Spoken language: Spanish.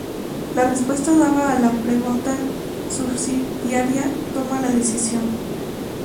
La respuesta dada a la pregunta subsidiaria toma la decisión.